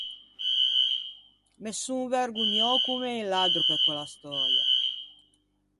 Me son vergognou comme un laddro pe quella stöia.